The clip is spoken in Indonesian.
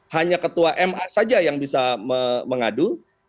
hanya ketua ma saja yang bisa mengadu